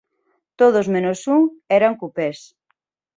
Todos menos un eran cupés.